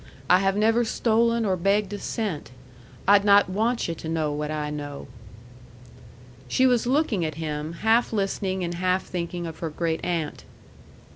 I have never stolen or begged a cent. I'd not want yu' to know what I know." She was looking at him, half listening and half thinking of her great aunt.